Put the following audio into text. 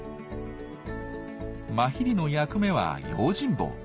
マヒリの役目は用心棒。